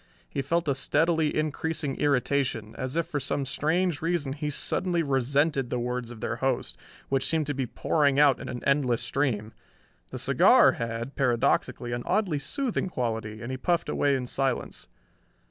He felt a steadily increasing irritation, as if for some strange reason he suddenly resented the words of their host, which seemed to be pouring out in an endless stream. The cigar had, paradoxically, an oddly soothing quality, and he puffed away in silence.